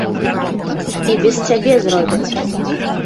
І без цябе зробяць.